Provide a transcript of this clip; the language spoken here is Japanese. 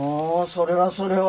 それはそれは。